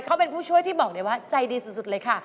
เขาเป็นผู้ช่วยที่บอกเลยว่าใจดีสุดเลยค่ะ